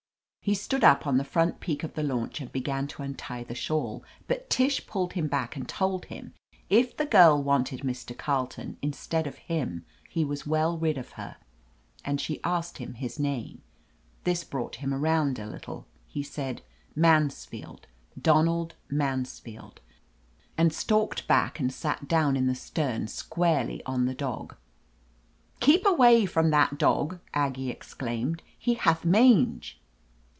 ) He stood up on the front peak of the launch and began to untie the shawl, but Tish pulled him back and told hifti if the girl wanted Mr. Carleton instead of him he was well rid of her. And she asked him his name. This brought him around a little. He said, "Mansfield, Donald Mansfield," and stalked back and sat down in the stern squarely on the dog. "Keep away from that dog!" Aggie ex claimed. "He hath mange."